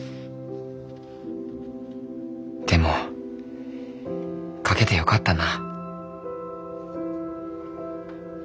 でも描けてよかったな。